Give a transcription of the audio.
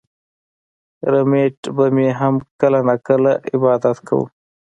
رومېټ به مې هم کله نا کله عبادت کوو